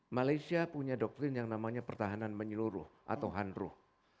malaysia punya doktrin yang namanya pertahanan menyeluruh atau handruh